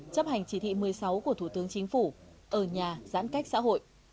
chấp hành chỉ thị một mươi sáu của thủ tướng chính phủ ở nhà giãn cách xã hội